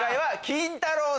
キンタロー。